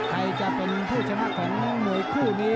ใครจะเป็นผู้ชนะของมวยคู่นี้